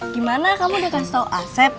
gimana kamu udah kasih tau asep